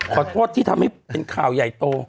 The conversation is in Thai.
ขอโทษที่ทำให้เป็นข่าวใหญ่โต